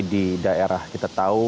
di daerah kita tahu